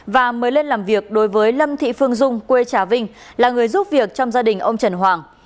và mời lên làm việc đối với lâm thị phương dung quê trà vinh là người giúp việc trong gia đình ông trần hoàng